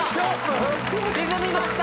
沈みました！